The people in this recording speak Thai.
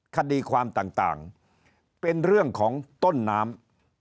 คดีความต่างเป็นเรื่องของต้นน้ำ